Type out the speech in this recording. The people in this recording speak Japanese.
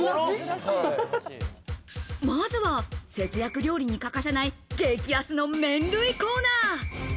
まずは節約料理に欠かせない、激安の麺類コーナー。